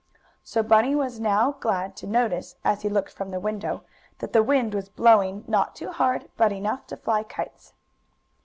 So Bunny was now glad to notice, as he looked from the window, that the wind was blowing; not too hard, but enough to fly kites.